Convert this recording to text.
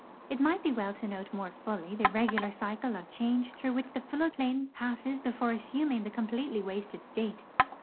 It might be well to note more fully the regular cycle of change through which tbe flood plain passes before assuming the com jdetely Avasted state.